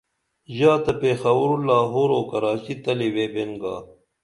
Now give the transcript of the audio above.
ژا تہ پیخَوُر لاہُور اُو کراچی تلی ویبین آگا